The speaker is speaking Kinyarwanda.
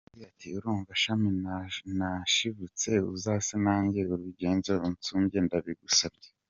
Yagize Ati “Urumve shami nashibutse, uzase nanjye urenzeho, unsumbye ndabigusabye.